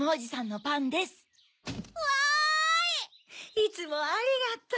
いつもありがとう。